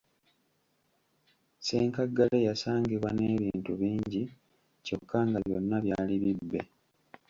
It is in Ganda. Ssenkaggale yasangibwa n’ebintu bingi kyokka nga byonna byali bibbe.